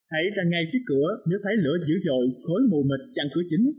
hãy ra ngay phía cửa nếu thấy lửa dữ dội khối mù mệt chặn cửa chính